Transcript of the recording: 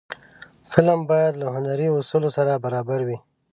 فلم باید له هنري اصولو سره برابر وي